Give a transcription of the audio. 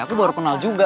aku baru kenal juga